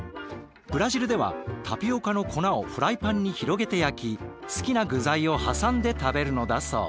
ブラジルではタピオカの粉をフライパンに広げて焼き好きな具材を挟んで食べるのだそう。